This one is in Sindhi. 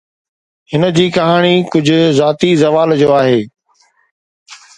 هن جي ڪهاڻي ڪجهه ذاتي زوال جو آهي